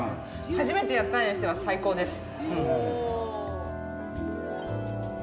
初めてやったにしては最高です。